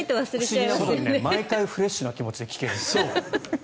不思議なことに毎回フレッシュな気持ちで聞ける。